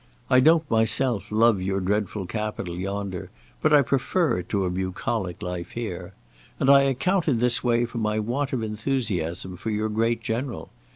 I don't myself love your dreadful Capitol yonder, but I prefer it to a bucolic life here. And I account in this way for my want of enthusiasm for your great General.